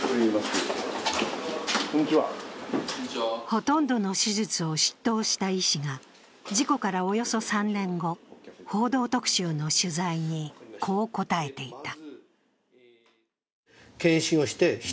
ほとんどの手術を執刀した医師が事故からおよそ３年後「報道特集」の取材にこう答えていた。